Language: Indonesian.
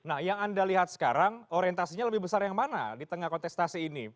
nah yang anda lihat sekarang orientasinya lebih besar yang mana di tengah kontestasi ini